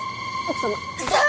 奥様？